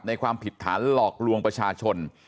ความผิดฐานหลอกลวงประชาชน